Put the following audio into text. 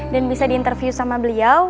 dan bisa di interview sama beliau